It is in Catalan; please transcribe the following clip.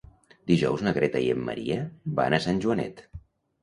Dijous na Greta i en Maria van a Sant Joanet.